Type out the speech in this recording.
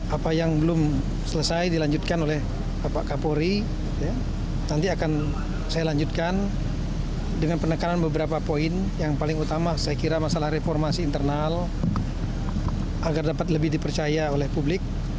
apa yang belum selesai dilanjutkan oleh bapak kapolri nanti akan saya lanjutkan dengan penekanan beberapa poin yang paling utama saya kira masalah reformasi internal agar dapat lebih dipercaya oleh publik